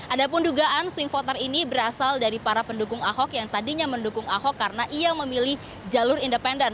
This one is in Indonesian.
ada pun dugaan swing voter ini berasal dari para pendukung ahok yang tadinya mendukung ahok karena ia memilih jalur independen